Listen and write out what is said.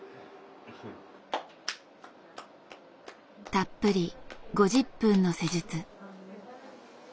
たっぷり５０分の施術。